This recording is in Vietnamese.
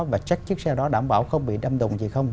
và chắc chiếc xe đó đảm bảo không bị đâm đồng gì không